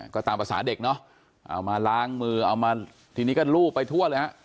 ก็ตามภาษาเด็กเนาะเอามาล้างมือเอามาทีนี้ก็ลูบไปทั่วเลยฮะ